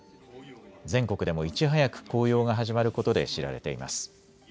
全国でもいち早く紅葉が始まることで知られています。